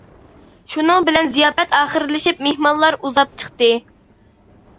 شۇنىڭ بىلەن زىياپەت ئاخىرلىشىپ مېھمانلار ئۇزاپ چىقتى.